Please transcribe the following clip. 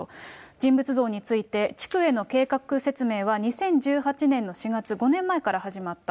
人物像について、地区への計画説明は２０１８年の４月、５年前から始まった。